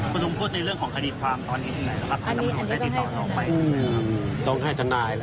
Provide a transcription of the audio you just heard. ขอตงค์พอในเรื่องของความขึ้นตอนนี้